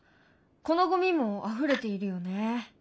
このゴミもあふれているよね？